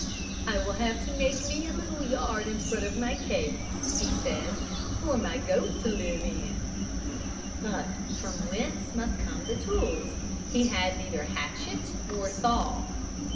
"I will have to make me a little yard in front of my cave," he said, "for my goat to live in." But from whence must come the tools? He had neither hatchet nor saw.